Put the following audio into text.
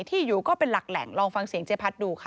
ที่อยู่ก็เป็นหลักแหล่งลองฟังเสียงเจ๊พัดดูค่ะ